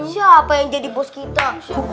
siapa yang jadi bos kita